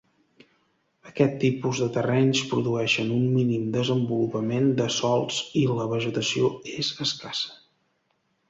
Aquest tipus de terrenys produeixen un mínim desenvolupament de sòls i la vegetació és escassa.